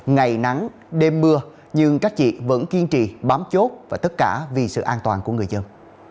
ngày nắng đêm mưa nhưng các chị vẫn kiên trì bám chốt và tất cả vì sự an toàn của người dân